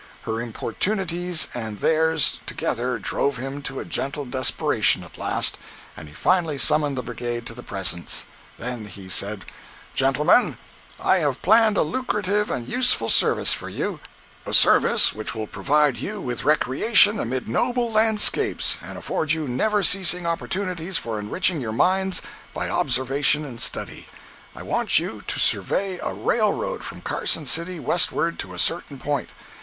Her importunities and theirs together drove him to a gentle desperation at last, and he finally summoned the Brigade to the presence. Then, said he: "Gentlemen, I have planned a lucrative and useful service for you—a service which will provide you with recreation amid noble landscapes, and afford you never ceasing opportunities for enriching your minds by observation and study. I want you to survey a railroad from Carson City westward to a certain point!